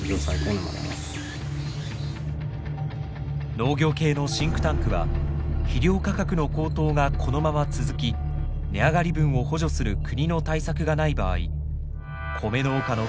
農業系のシンクタンクは肥料価格の高騰がこのまま続き値上がり分を補助する国の対策がない場合コメ農家の９３％が赤字に陥ると試算しています。